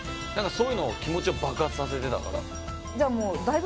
そういうのを気持ちを爆発させてたから。